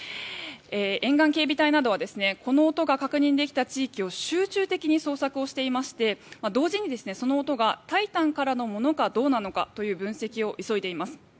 沿岸警備隊などはこの音が確認できた地域を集中的に捜索をしていまして同時にその音が「タイタン」からのものなのかどうかという分析を急いでいます。